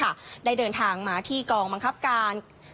สัตว์ป่าและผลันพืชค่ะได้เดินทางมาที่กองบังคับการ